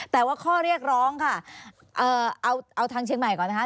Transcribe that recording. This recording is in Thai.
แต่ว่าข้อเรียกร้องค่ะเอาทางเชียงใหม่ก่อนนะคะ